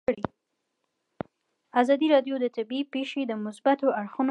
ازادي راډیو د طبیعي پېښې د مثبتو اړخونو یادونه کړې.